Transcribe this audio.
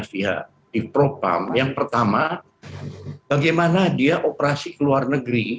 pihak di propam yang pertama bagaimana dia operasi ke luar negeri